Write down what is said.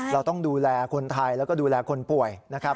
เราต้องดูแลคนไทยแล้วก็ดูแลคนป่วยนะครับ